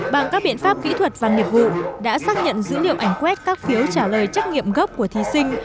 bằng các biện pháp kỹ thuật và nghiệp vụ đã xác nhận dữ liệu ảnh quét các phiếu trả lời trắc nghiệm gốc của thí sinh